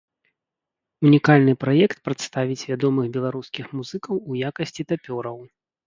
Унікальны праект прадставіць вядомых беларускіх музыкаў у якасці тапёраў.